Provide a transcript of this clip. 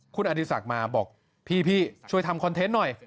คุณอดีศักดิ์มาบอกพี่ช่วยทำคอนเทนต์หน่อย